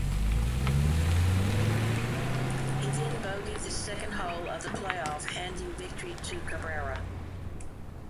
He then bogeyed the second hole of the playoff, handing victory to Cabrera.